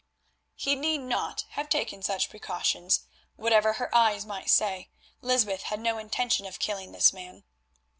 He need not have taken such precautions; whatever her eyes might say, Lysbeth had no intention of killing this man.